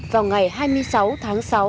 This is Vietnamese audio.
vào ngày hai mươi sáu tháng sáu